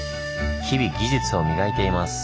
日々技術をみがいています。